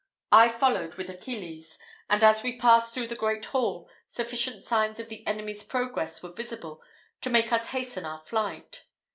I followed with Achilles, and as we passed through the great hall, sufficient signs of the enemies' progress were visible to make us hasten our flight.